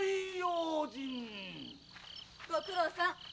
ご苦労さん。